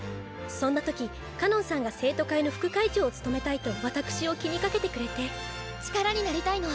そんな時かのんさんが生徒会の副会長を務めたいとわたくしを気にかけてくれて力になりたいの。